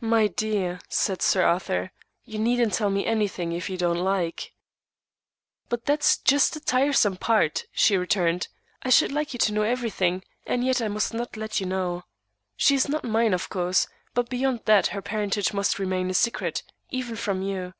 "My dear," said Sir Arthur, "you needn't tell me anything, if you don't like." "But that's just the tiresome part," she returned, "I should like you to know everything, and yet I must not let you know. She is not mine, of course, but beyond that her parentage must remain a secret, even from you.